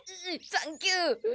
サンキュー。